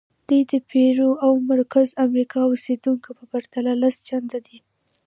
دوی د پیرو او مرکزي امریکا اوسېدونکو په پرتله لس چنده دي.